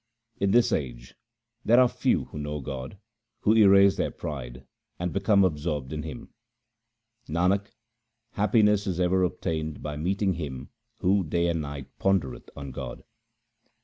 In this age there are few who know God, who erase their pride and become absorbed in Him. Nanak, happiness is ever obtained by meeting him who night and day pondereth on God.